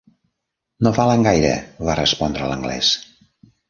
"No valen gaire", va respondre l'anglès.